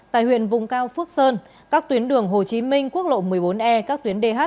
tại huyện vùng cao phước sơn các tuyến đường hồ chí minh quốc lộ một mươi bốn e các tuyến dh